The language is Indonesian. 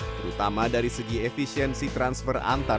terutama dari segi efisiensi transfer antar